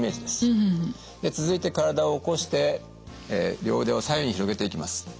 で続いて体を起こして両腕を左右に広げていきます。